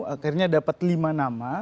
akhirnya dapat lima nama